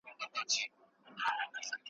دروازې د ښوونځیو مي تړلي ,